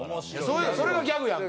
それがギャグやんか。